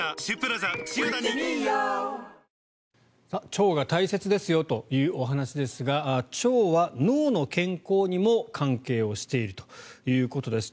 腸が大切ですよというお話ですが腸は脳の健康にも関係をしているということです。